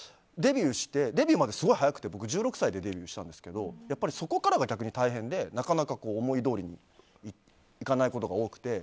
デビューまですごい早くて僕、１６歳でデビューしたんですけどそこからが逆に大変でなかなか思いどおりにいかないことが多くて。